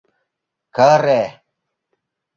— Кыре!